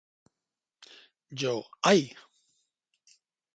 Yo, ¡ay!